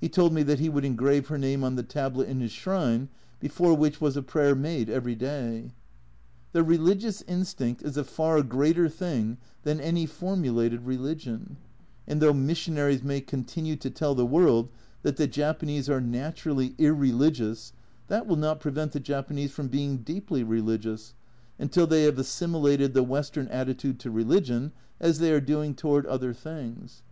He told me that he would engrave her name on the tablet in his shrine, before which was a prayer made every day. The religious instinct is a far greater thing than any formulated religion, and though missionaries may continue to tell the world that the Japanese are naturally irreligious, that will not prevent the Japanese from being deeply religious until they have assimilated the Western attitude to religion, as they are doing toward other things.